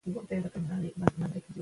جمله د وینا بشپړ ډول دئ.